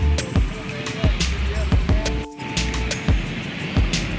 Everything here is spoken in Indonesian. udah agak rame